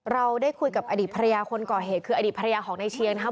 เราได้คุยกับอดีตภรรยาคนก่อเหตุคืออดีตภรรยาของนายเชียงนะครับ